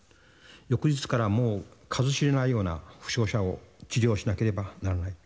翌日から数知れないような負傷者を治療しなければならない。